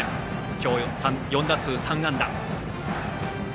今日４打数３安打。